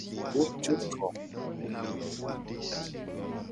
Wo jo vo.